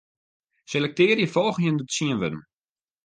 Selektearje folgjende tsien wurden.